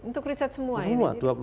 untuk riset semua ini